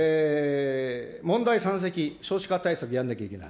問題山積、少子化対策やんなきゃいけない。